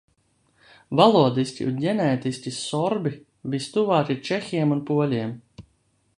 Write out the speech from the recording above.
Valodiski un ģenētiski sorbi vistuvāk ir čehiem un poļiem.